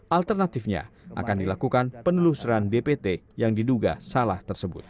alternatifnya akan dilakukan penelusuran dpt yang diduga salah tersebut